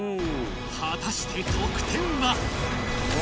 果たして得点は？